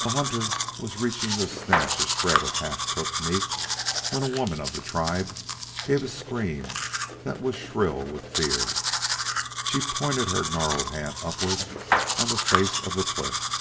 A hunter was reaching to snatch a shred of half cooked meat when a woman of the tribe gave a scream that was shrill with fear. She pointed her gnarled hand upward on the face of the cliff.